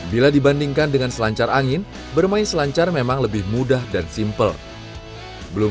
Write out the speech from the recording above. bila dibandingkan dengan selancar angin bermain selancar memang lebih mudah dan simple belum